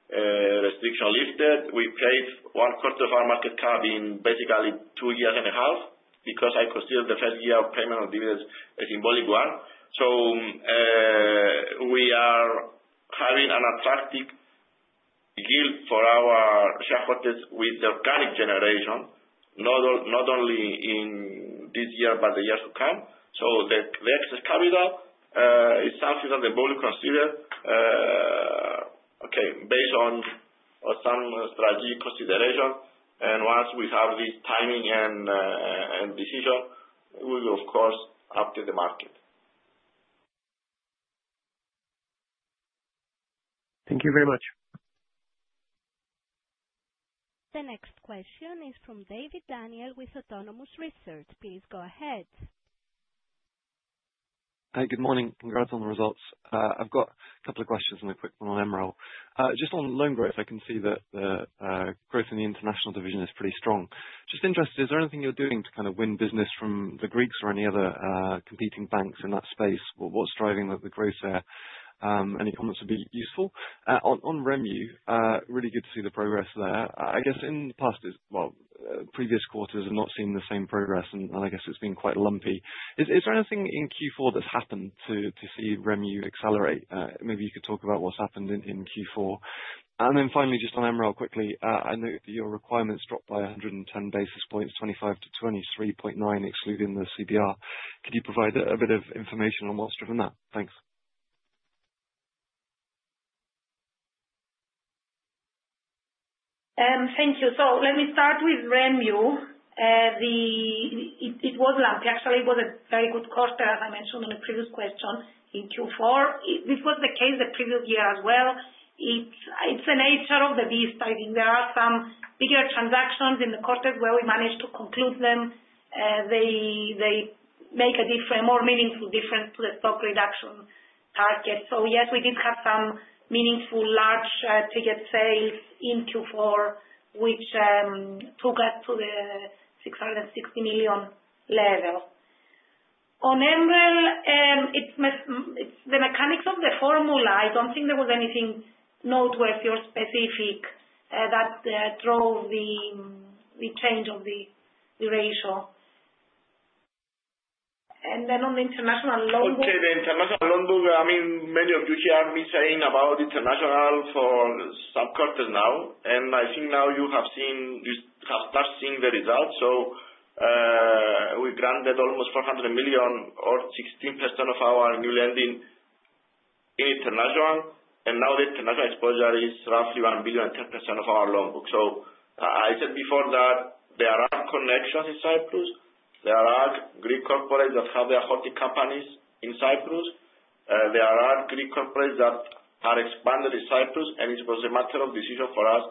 S2: restriction lifted. We paid one quarter of our market cap in basically two years and a half because I consider the first year of payment of dividends a symbolic one. So we are having an attractive yield for our shareholders with the organic generation, not only in this year but the years to come. So the excess capital is something that the board will consider, okay, based on some strategic consideration, and once we have this timing and decision, we will, of course, update the market.
S9: Thank you very much.
S1: The next question is from Daniel David with Autonomous Research. Please go ahead.
S10: Hi. Good morning. Congrats on the results. I've got a couple of questions and a quick one on MREL. Just on loan growth, I can see that the growth in the international division is pretty strong. Just interested, is there anything you're doing to kind of win business from the Greeks or any other competing banks in that space? What's driving the growth there? Any comments would be useful. On REMU, really good to see the progress there. I guess in the past, well, previous quarters have not seen the same progress, and I guess it's been quite lumpy. Is there anything in Q4 that's happened to see REMU accelerate? Maybe you could talk about what's happened in Q4. And then finally, just on MREL quickly, I know that your requirements dropped by 110 basis points, 25 to 23.9 excluding the CBR. Could you provide a bit of information on what's driven that? Thanks.
S3: Thank you. So let me start withREMU. It was lumpy. Actually, it was a very good quarter, as I mentioned in the previous question, in Q4. This was the case the previous year as well. It's a nature of the beast. I think there are some bigger transactions in the quarters where we managed to conclude them. They make a different, more meaningful difference to the stock reduction target. So yes, we did have some meaningful large ticket sales in Q4, which took us to the 660 million level. On MREL, it's the mechanics of the formula. I don't think there was anything noteworthy or specific that drove the change of the ratio, and then on the international loan book,
S2: I would say the international loan book. I mean, many of you here have heard me saying about international for some quarters now. And I think now you have started seeing the results. So we granted almost 400 million or 16% of our new lending in international. And now the international exposure is roughly 1 billion and 10% of our loan book. So I said before that there are connections in Cyprus. There are Greek corporates that have their holding companies in Cyprus. There are Greek corporates that are expanded in Cyprus. And it was a matter of decision for us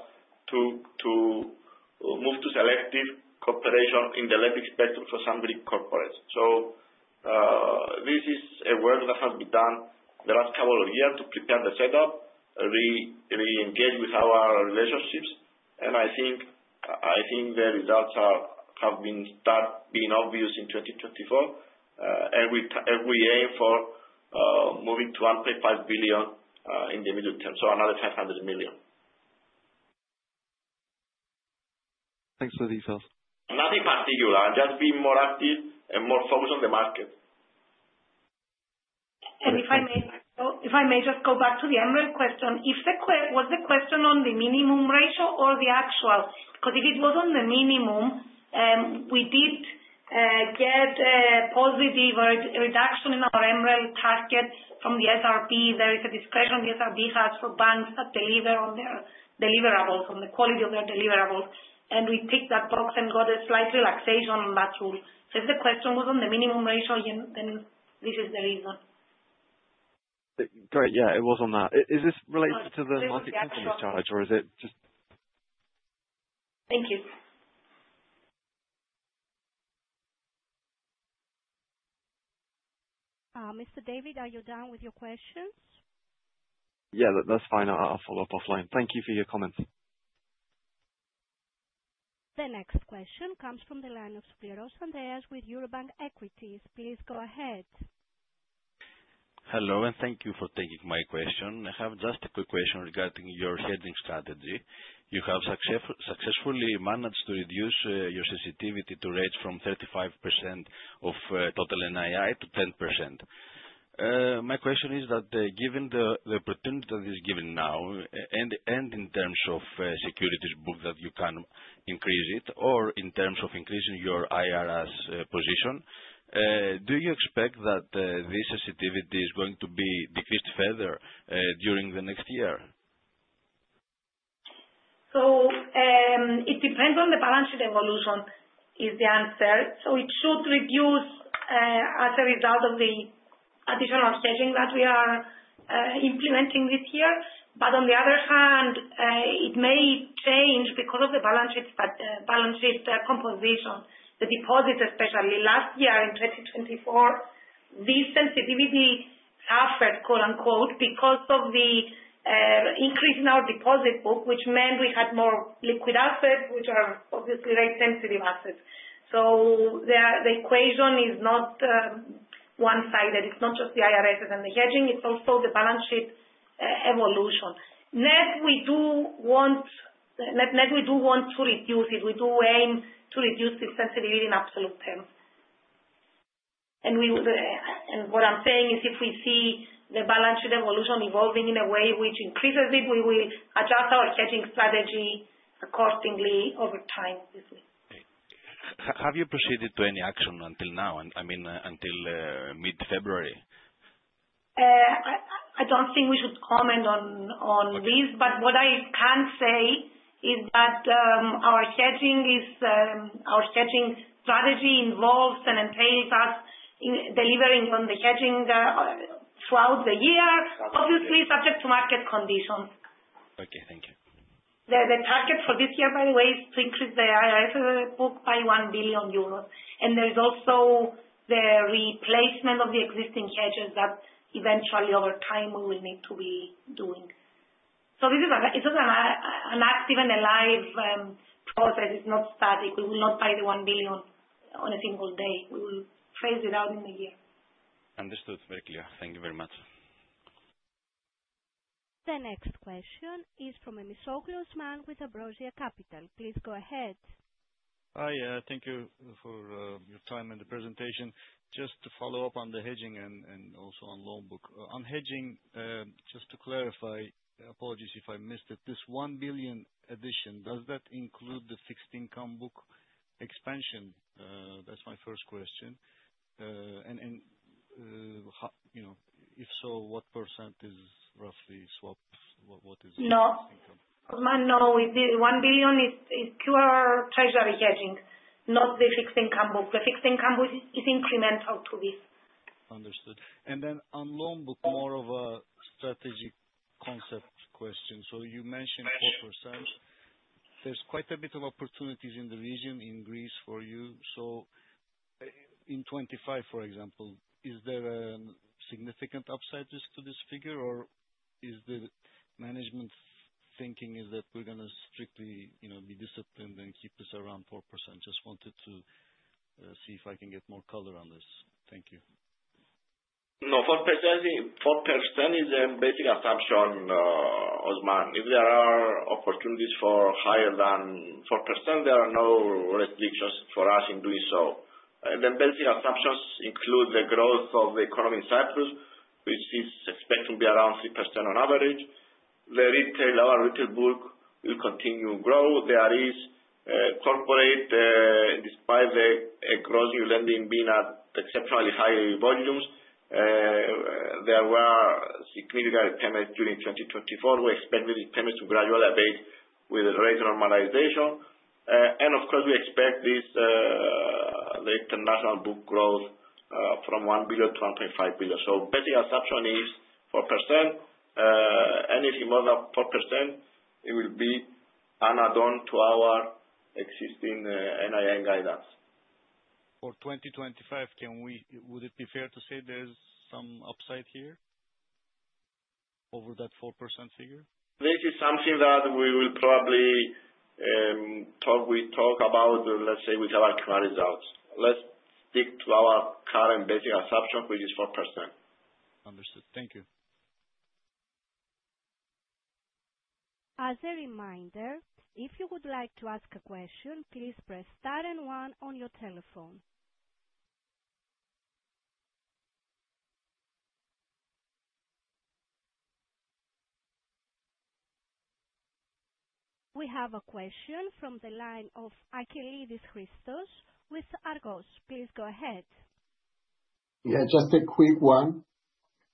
S2: to move to selective cooperation in the lending spectrum for some Greek corporates. So this is a work that has been done the last couple of years to prepare the setup, re-engage with our relationships. And I think the results have been obvious in 2024. And we aim for moving to 1.5 billion in the medium term, so another 500 million.
S10: Thanks for the details.
S2: Nothing particular. Just being more active and more focused on the market.
S3: And if I may just go back to the MREL question, was the question on the minimum ratio or the actual? Because if it was on the minimum, we did get a positive reduction in our MREL target from the SRB. There is a discretion the SRB has for banks that deliver on their deliverables, on the quality of their deliverables. And we ticked that box and got a slight relaxation on that rule. So if the question was on the minimum ratio, then this is the reason.
S10: Great. Yeah, it was on that. Is this related to the market companies charge, or is it just?
S3: Thank you.
S1: Mr. David, are you done with your questions?
S10: Yeah, that's fine. I'll follow up offline. Thank you for your comments.
S1: The next question comes from the line of Souvleros Andreas with Eurobank Equities. Please go ahead.
S11: Hello, and thank you for taking my question. I have just a quick question regarding your hedging strategy. You have successfully managed to reduce your sensitivity to rates from 35% of total NII to 10%. My question is that given the opportunity that is given now, and in terms of securities book that you can increase it, or in terms of increasing your IRS position, do you expect that this sensitivity is going to be decreased further during the next year?
S3: So it depends on the balance sheet evolution is the answer. So it should reduce as a result of the additional hedging that we are implementing this year. But on the other hand, it may change because of the balance sheet composition. The deposits, especially last year in 2024, this sensitivity suffered because of the increase in our deposit book, which meant we had more liquid assets, which are obviously very sensitive assets. So the equation is not one-sided. It's not just the IRS and the hedging. It's also the balance sheet evolution. Net we do want to reduce it. We do aim to reduce this sensitivity in absolute terms, and what I'm saying is if we see the balance sheet evolution evolving in a way which increases it, we will adjust our hedging strategy accordingly over time.
S11: Have you proceeded to any action until now, I mean, until mid-February?
S3: I don't think we should comment on this, but what I can say is that our hedging strategy involves and entails us delivering on the hedging throughout the year, obviously subject to market conditions.
S11: Okay. Thank you.
S3: The target for this year, by the way, is to increase the IRS book by 1 billion euros. And there's also the replacement of the existing hedges that eventually, over time, we will need to be doing. So this is an active and alive process. It's not static. We will not buy the 1 billion on a single day. We will phase it out in a year.
S11: Understood. Very clear. Thank you very much.
S1: The next question is from Memisoglu Osman with Ambrosia Capital. Please go ahead.
S12: Hi. Thank you for your time and the presentation. Just to follow up on the hedging and also on loan book. On hedging, just to clarify, apologies if I missed it, this 1 billion addition, does that include the fixed income book expansion? That's my first question. And if so, what percent is roughly swapped? What is the fixed income?
S3: Osman, no. 1 billion is pure treasury hedging, not the fixed income book. The fixed income book is incremental to this.
S12: Understood. And then on loan book, more of a strategic concept question. So you mentioned 4%. There's quite a bit of opportunities in the region in Greece for you. So in 2025, for example, is there a significant upside risk to this figure, or is the management thinking that we're going to strictly be disciplined and keep this around 4%? Just wanted to see if I can get more color on this. Thank you.
S2: No, 4% is the basic assumption, Osman. If there are opportunities for higher than 4%, there are no restrictions for us in doing so. The basic assumptions include the growth of the economy in Cyprus, which is expected to be around 3% on average. Our retail book will continue to grow. There is corporate, despite the growth in lending being at exceptionally high volumes, there were significant payments during 2024. We expect these payments to gradually abate with the rate normalization. And of course, we expect the international book growth from 1 billion-1.5 billion. So basic assumption is 4%. Anything more than 4%, it will be added on to our existing NII guidance. For 2025, would it be fair to say there's some upside here over that 4% figure? This is something that we will probably talk about, let's say, with our current results. Let's stick to our current basic assumption, which is 4%.
S12: Understood. Thank you.
S1: As a reminder, if you would like to ask a question, please press star and one on your telephone. We have a question from the line of Achilleos Christos with Argus. Please go ahead.
S13: Yeah, just a quick one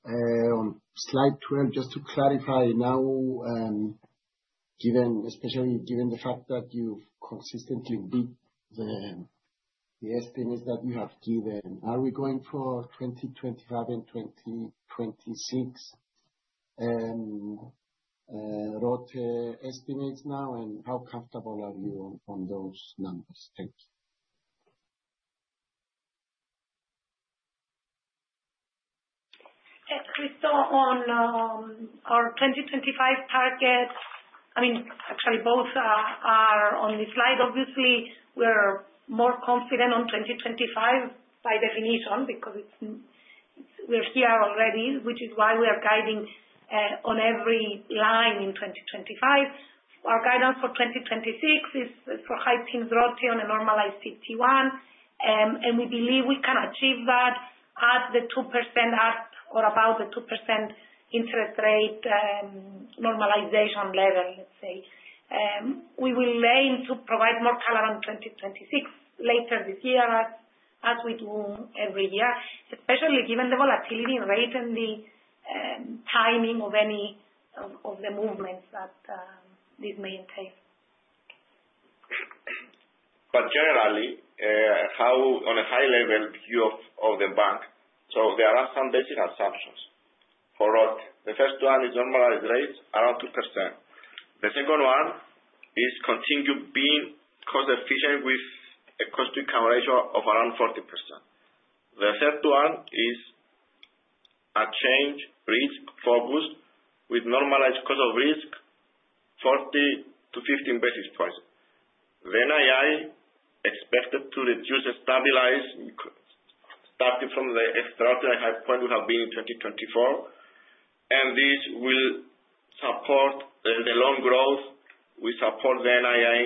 S13: on slide 12, just to clarify now, especially given the fact that you've consistently beat the estimates that you have given. Are we going for 2025 and 2026 ROTE estimates now? And how comfortable are you on those numbers?
S3: Thank you. Christos, on our 2025 target, I mean, actually, both are on the slide. Obviously, we're more confident on 2025 by definition because we're here already, which is why we are guiding on every line in 2025. Our guidance for 2026 is for high-teens ROTE on a normalized CET1. And we believe we can achieve that at the 2% or about the 2% interest rate normalization level, let's say. We will aim to provide more color on 2026 later this year, as we do every year, especially given the volatility rate and the timing of any of the movements that this may entail.
S2: But generally, on a high-level view of the bank, so there are some basic assumptions for ROTE. The first one is normalized rate, around 2%. The second one is continue being cost-efficient with a cost-to-income ratio of around 40%. The third one is a credit risk focus with normalized cost of risk, 14-15 basis points. The NII expected to reduce and stabilize starting from the extraordinary high point we have been in 2024. And this will support the loan growth. We support the NII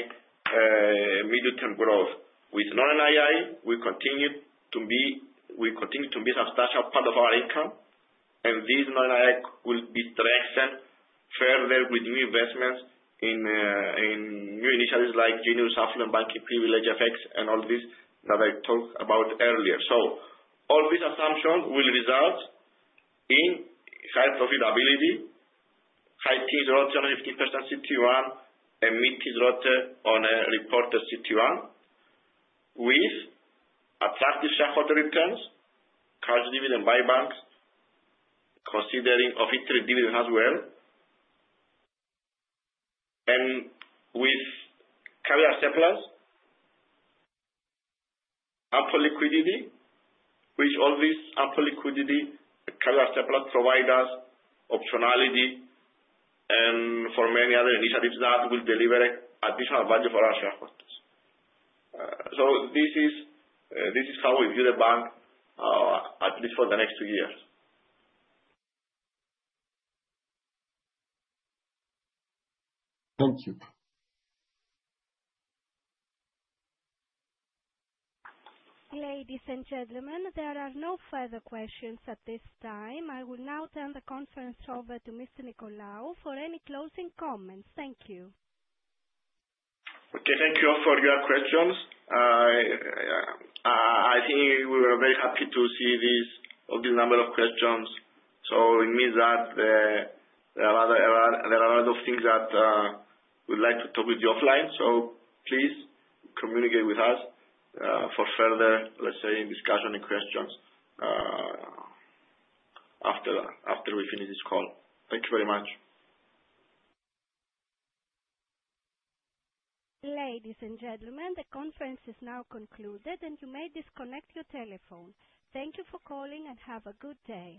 S2: mid-term growth. With non-NII, we continue to be a substantial part of our income. And this non-NII will be strengthened further with new investments in new initiatives like Jinius, Affluent Banking, Privilege, FX and all this that I talked about earlier. So all these assumptions will result in high profitability, high-teens ROTE on a 15% CET1, and mid-teens ROTE on a reported CET1, with attractive shareholder returns, cash dividends by the bank, consideration of interest dividends as well, and with capital surplus, ample liquidity, which all these ample liquidity and capital surplus provide us optionality and for many other initiatives that will deliver additional value for our shareholders. So this is how we view the bank, at least for the next two years.
S13: Thank you.
S1: Ladies and gentlemen, there are no further questions at this time. I will now turn the conference over to Mr. Nicolaou for any closing comments. Thank you.
S2: Okay. Thank you for your questions. I think we were very happy to see this number of questions. So it means that there are a lot of things that we'd like to talk with you offline. So please communicate with us for further, let's say, discussion and questions after we finish this call. Thank you very much.
S1: Ladies and gentlemen, the conference is now concluded, and you may disconnect your telephone. Thank you for calling and have a good day.